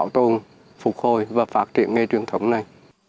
phục hồi và phát triển nghề truyền thống này